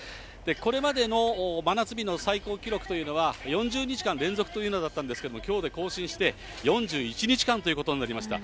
これまでの真夏日の最高記録というのは、４０日間連続というのだったんですけど、きょうで更新して、４１日間ということになりました。